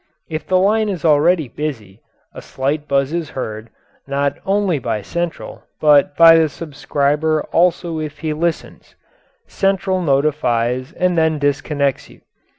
If the line is already "busy" a slight buzz is heard, not only by "central," but by the subscriber also if he listens; "central" notifies and then disconnects you.